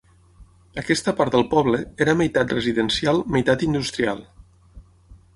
Aquesta part del poble era meitat residencial, meitat industrial.